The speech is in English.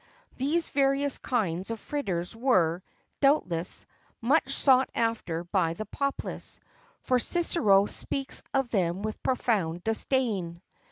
[XXIV 7] These various kinds of fritters were, doubtless, much sought after by the populace, for Cicero speaks of them with profound disdain.